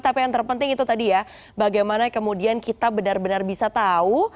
tapi yang terpenting itu tadi ya bagaimana kemudian kita benar benar bisa tahu